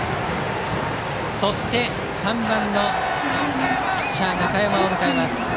そして、３番のピッチャー中山を迎えます。